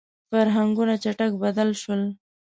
• فرهنګونه چټک بدل شول.